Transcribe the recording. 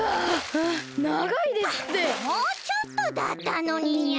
もうちょっとだったのににゃ。